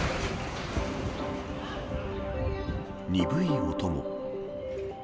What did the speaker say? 鈍い音も。